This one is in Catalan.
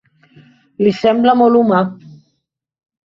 Li sembla molt humà.